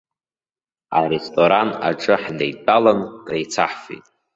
Аресторан аҿы ҳнеидтәалан, креицаҳфеит.